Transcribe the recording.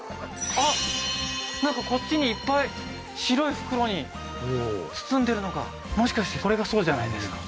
あっなんかこっちにいっぱい白い袋に包んでるのがもしかしてこれがそうじゃないですか？